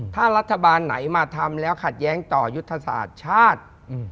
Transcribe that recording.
ถ้ารัฐบาลไหนมาทำแล้วขัดแย้งต่อยุทธศาสตร์ชาติ